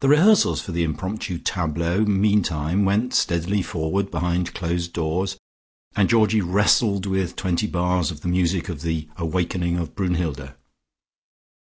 The rehearsals for the impromptu tableaux meantime went steadily forward behind closed doors, and Georgie wrestled with twenty bars of the music of the "Awakening of Brunnhilde."